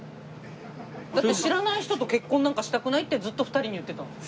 だって知らない人と結婚なんかしたくないってずっと２人に言ってたんです。